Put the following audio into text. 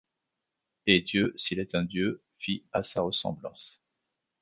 Et Dieu, s’il est un Dieu, fit à sa ressemblance